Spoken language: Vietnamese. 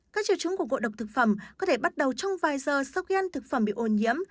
các triệu chứng của ngồi đọc thực phẩm có thể bắt đầu trong vài giờ sau khi ăn thực phẩm bị ôn nhiễm